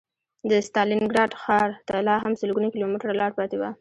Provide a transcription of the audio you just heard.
د ستالینګراډ ښار ته لا هم لسګونه کیلومتره لاره پاتې وه